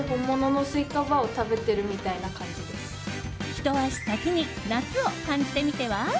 ひと足先に夏を感じてみては？